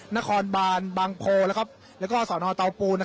นครบานบางโพและสนทเตาปู